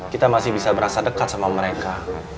kita masih bisa berasa dekat sama mereka